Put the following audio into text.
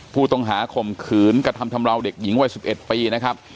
ข้อหาข่มขืนกระทำชำราวเด็กหญิงวัย๑๑ปีนะครับ